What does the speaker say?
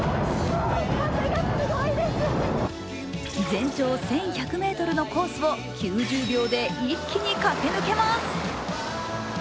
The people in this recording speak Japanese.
全長１１００ｍのコースを９０秒で一気に駆け抜けます。